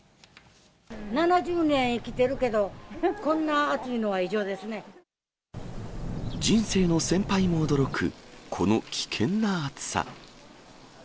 ７０年生きてるけど、人生の先輩も驚く、この危険な暑さ。